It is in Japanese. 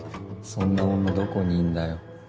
そんな女どこにいんだよ。